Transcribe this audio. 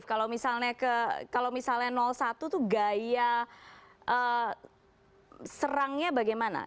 kalau misalnya satu itu gaya serangnya bagaimana